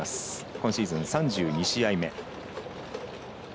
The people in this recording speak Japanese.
今シーズン、３２試合目。